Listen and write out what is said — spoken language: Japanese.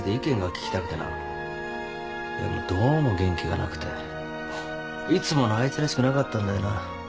でもどうも元気がなくていつものあいつらしくなかったんだよな。